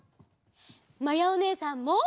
まやおねえさんも！